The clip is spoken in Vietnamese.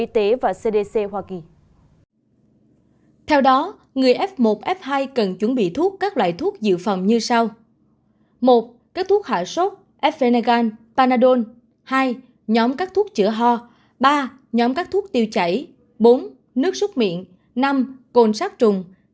theo đó người f một f hai cần chuẩn bị thuốc các loại thuốc dự phòng như sau